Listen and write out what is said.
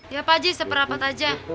ya pak haji seperapat aja